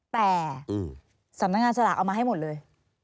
แต่สำนักงานสลากเอามาให้หมดเลย